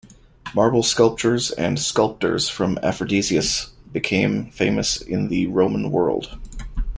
Marble sculptures and sculptors from Aphrodisias became famous in the Roman world.